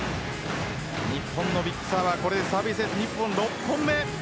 日本のビッグサーブはこれでサービスエース６本目。